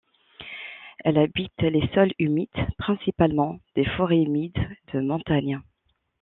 Elle habite les sols humides, principalement des forêts humides de montagne.